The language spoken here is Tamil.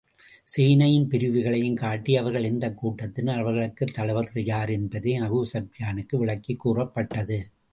சேனையின் பிரிவுகளையும் காட்டி, அவர்கள் எந்தக் கூட்டத்தினர், அவர்களுக்குத் தளபதிகள் யார் என்பதையும் அபூ ஸுப்யானுக்கு விளக்கிக் கூறப்பட்டது.